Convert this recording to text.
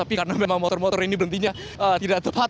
tapi karena memang motor motor ini berhentinya tidak tepat